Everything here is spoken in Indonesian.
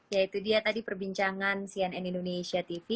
ya itu dia tadi perbincangan cnn indonesia tv